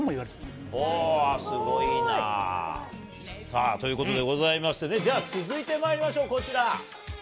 すごいな。さあ、ということでございましてね、では続いてまいりましょう、こちら。